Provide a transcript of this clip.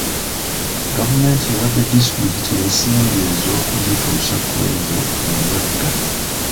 Gavumenti ewadde disitulikiti ensimbi ez'okugituusa ku ezo engagga.